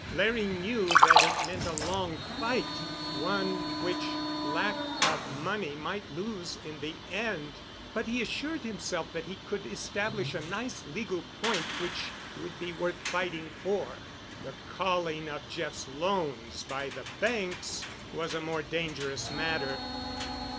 Larry knew that it meant a long fight, one which lack of money might lose in the end, but he assured himself that he could establish a nice legal point which would be worth fighting for. The calling of Jeff's loans by the banks was a more dangerous matter.